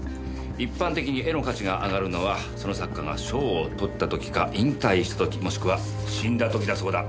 一般的に絵の価値が上がるのはその作家が賞を取った時か引退した時もしくは死んだ時だそうだ。